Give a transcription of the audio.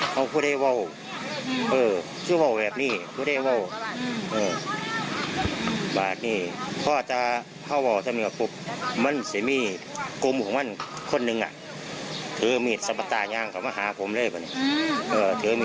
เขาอาจว่าปักพระอาจจะวาวทวงกับกลุ่มมันจะมีสินพันธุ์ผมันคนนึงมาถือมีดสัพตายางมาหาผม